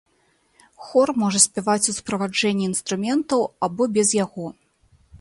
Хор можа спяваць у суправаджэнні інструментаў або без яго.